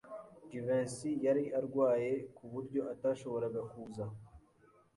Jivency yari arwaye, ku buryo atashoboraga kuza.